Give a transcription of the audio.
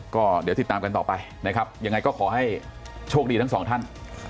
ก็ติดตามกันต่อไปอย่างไรก็ขอให้โชคดีทั้งสองท่าน